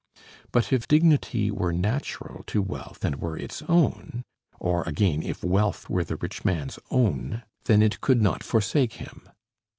But if dignity were natural to wealth and were its own, or again if wealth were the rich man's own, then it could not forsake him.